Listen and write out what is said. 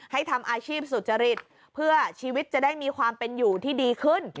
ทำอาชีพสุจริตเพื่อชีวิตจะได้มีความเป็นอยู่ที่ดีขึ้น